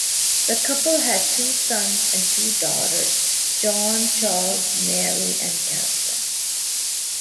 The couple had two sons and two daughters; John, Charles, Mary and Catherine.